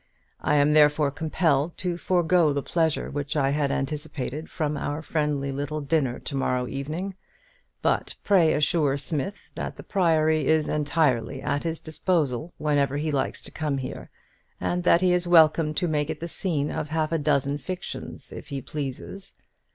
I am therefore compelled to forego the pleasure which I had anticipated from our friendly little dinner to morrow evening; but pray assure Smith that the Priory is entirely at his disposal whenever he likes to come here, and that he is welcome to make it the scene of half a dozen fictions, if he pleases.